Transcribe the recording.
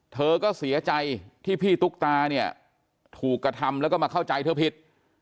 เธอก็เสียใจที่พี่ตุ๊กตาเนี่ยถูกกระทำแล้วก็มาเข้าใจเธอผิด